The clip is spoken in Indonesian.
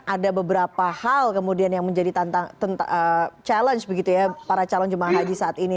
ada beberapa hal kemudian yang menjadi challenge begitu ya para calon jemaah haji saat ini